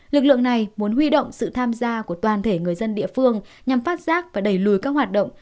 lực lượng này muốn huy động sự tham gia của toàn thể người dân địa phương nhằm phát giác và đẩy lùi các hoạt động